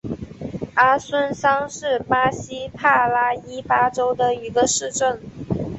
阿孙桑是巴西帕拉伊巴州的一个市镇。